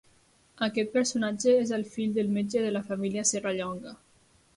Aquest personatge és el fill del metge de la família Serrallonga.